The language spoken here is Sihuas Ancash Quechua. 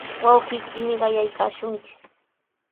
Wawqiykimi qayaykaashunki.